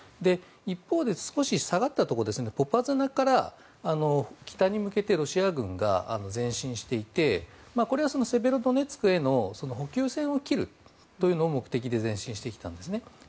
一方で、少し下がったところポパスナから北に向けてロシア軍が前進していてこれはセベロドネツクへの補給線を切るというのを目的で前進してきたんですね。